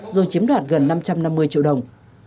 rồi chiếm đoạt gần năm trăm năm mươi triệu đồng